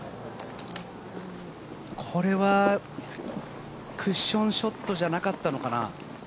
これはクッションショットじゃなかったのかな。